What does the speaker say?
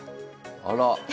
あら。